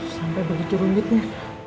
sampai begitu ronyetnya